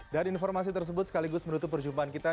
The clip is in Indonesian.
informasi tersebut sekaligus menutup perjumpaan kita